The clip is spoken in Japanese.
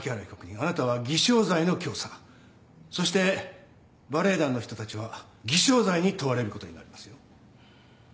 あなたは偽証罪の教唆そしてバレエ団の人たちは偽証罪に問われることになりますよ。